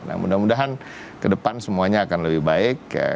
nah mudah mudahan ke depan semuanya akan lebih baik